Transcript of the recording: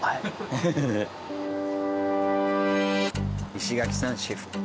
石垣さんシェフ。